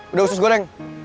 udah usus goreng